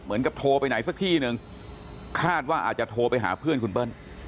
โทรไปไหนสักที่หนึ่งคาดว่าอาจจะโทรไปหาเพื่อนคุณเปิ้ล